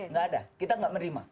nggak ada kita nggak menerima